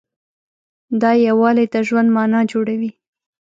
دا یووالی د ژوند معنی جوړوي.